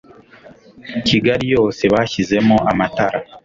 kigali yose bashyizemo amatara